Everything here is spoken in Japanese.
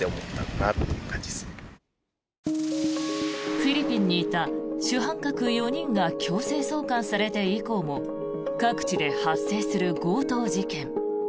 フィリピンにいた主犯格４人が強制送還されて以降も各地で発生する強盗事件。